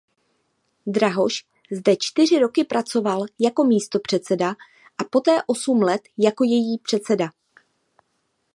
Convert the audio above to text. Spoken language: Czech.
Drahoš zde čtyři roky pracoval jako místopředseda a poté osm let jako její předseda.